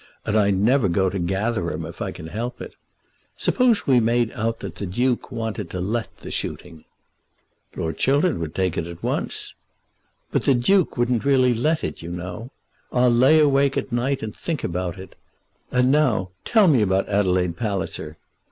And I never go to Gatherum if I can help it. Suppose we made out that the Duke wanted to let the shooting?" "Lord Chiltern would take it at once." "But the Duke wouldn't really let it, you know. I'll lay awake at night and think about it. And now tell me about Adelaide Palliser.